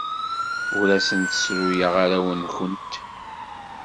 Ur asent-ssruyeɣ arraw-nwent.